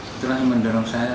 itulah yang mendorong saya